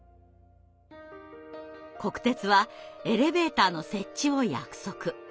国鉄はエレベーターの設置を約束。